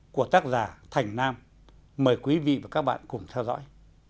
của tác giả thành nam mời quý vị và các bạn cùng theo dõi